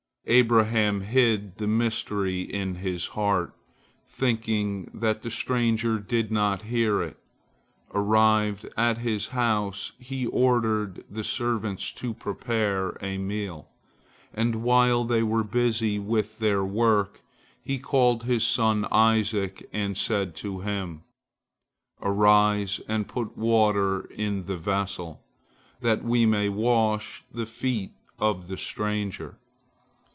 Abraham hid the mystery in his heart, thinking that the stranger did not hear it. Arrived at his house, he ordered the servants to prepare a meal, and while they were busy with their work, he called his son Isaac, and said to him, "Arise and put water in the vessel, that we may wash the feet of the stranger."